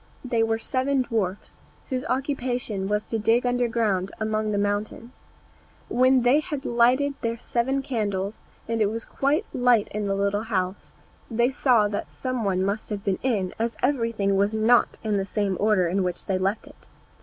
They were seven dwarfs, whose occupation was to dig underground among the mountains. When they had lighted their seven candles, and it was quite light in the little house, they saw that some one must have been in, as everything was not in the same order in which they left it.